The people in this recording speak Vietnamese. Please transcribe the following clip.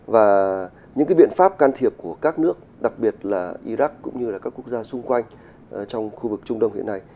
và những biện pháp can thiệp của các nước đặc biệt là iraq cũng như là các quốc gia xung quanh trong khu vực trung đông hiện nay